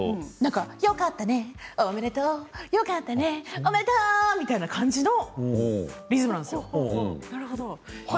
よかったねおめでとうよかったね、おめでとうという感じのリズムなんですよ。